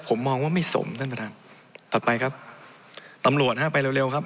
ผมมองว่าไม่สมท่านประธานถัดไปครับตำรวจฮะไปเร็วเร็วครับ